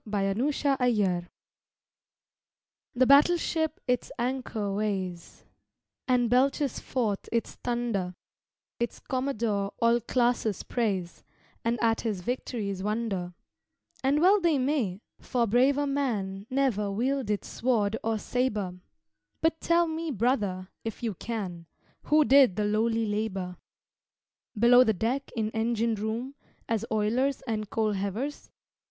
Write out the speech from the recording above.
] MEN BELOW DECK The battleship its anchor weighs, And belches forth its thunder; Its commodore all classes praise, And at his victories wonder; And well they may for braver man Ne'er wielded sword or sabre; But tell me, brother, if you can, Who did the lowly labor. Below the deck in engine room, As oilers and coal heavers?